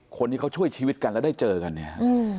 คนที่เขาช่วยชีวิตกันแล้วได้เจอกันเนี่ย